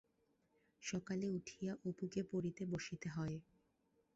সকালে উঠিয়া অপুকে পড়িতে বসিতে হয়।